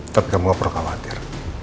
tapi kamu gak perlu khawatir